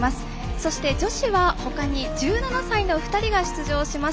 そして、女子はほかに１７歳の２人が出場します。